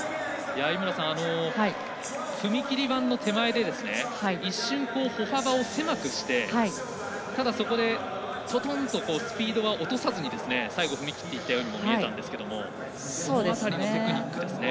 踏切板の手前で一瞬歩幅を狭くして、ただ、そこでスピードは落とさずに最後、踏み切っていったように見えたんですけれどもその辺りのテクニックですね。